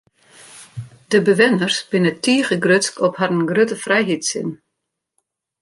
De bewenners binne tige grutsk op harren grutte frijheidssin.